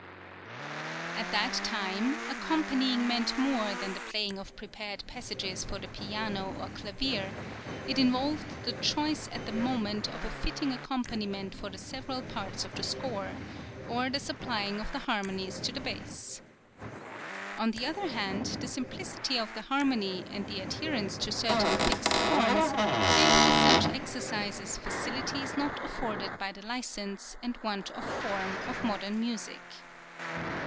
At that time, accompanying meant more than the playing of prepared passages for the piano or clavier; it involved the choice at the moment of a fitting accompaniment for the {FIRST PRINTED COMPOSITIONS.} (37) several parts of the score, or the supplying of harmonies to the bass. On the other hand, the simplicity of the harmony, and the adherence to certain fixed forms, gave to such exercises facilities not afforded by the license and want of form of modern music.